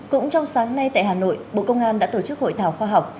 cũng trong sáng nay tại hà nội bộ công an đã tổ chức hội thảo khoa học